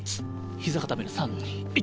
膝固める３・２・１！